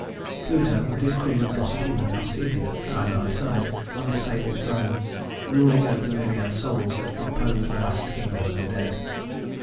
[Illustration: The Three Fates] Pluto and his queen Proserpina are seated side by side on a sable throne, ruling over the myriad souls that compose the vast kingdom of the dead.